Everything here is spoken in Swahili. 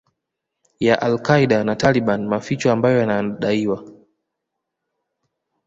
ya Al Qaeda na Taliban Maficho ambayo yanadaiwa